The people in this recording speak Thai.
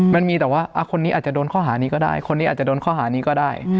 มันมีแต่ว่าคนนี้อาจจะโดนข้อหานี้ก็ได้คนนี้อาจจะโดนข้อหานี้ก็ได้